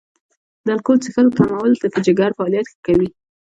د الکول څښل کمول د جګر فعالیت ښه کوي.